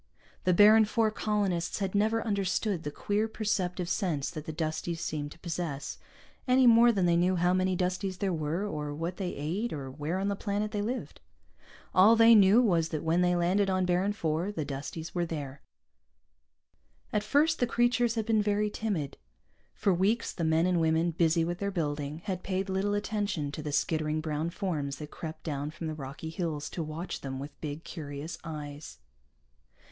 The Baron IV colonists had never understood the queer perceptive sense that the Dusties seemed to possess, any more than they knew how many Dusties there were, or what they ate, or where on the planet they lived. All they knew was that when they landed on Baron IV, the Dusties were there. At first the creatures had been very timid. For weeks the men and women, busy with their building, had paid little attention to the skittering brown forms that crept down from the rocky hills to watch them with big, curious eyes.